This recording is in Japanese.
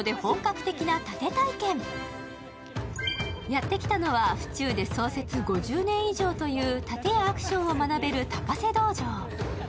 やってきたのは府中で創設５０年以上というたてやアクションを学べる高瀬道場。